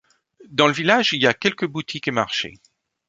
Dans le village, il y a quelques boutiques et marchés.